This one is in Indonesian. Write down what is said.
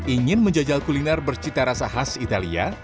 ingin menjajal kuliner bercita rasa khas italia